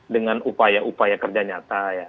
dengan upaya upaya kerja nyata ya